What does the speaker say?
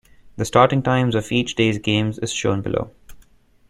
The starting times of each day's games is shown below.